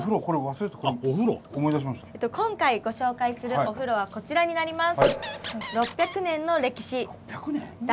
今回ご紹介するお風呂はこちらになります。